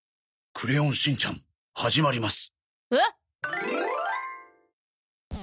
『クレヨンしんちゃん』始まります。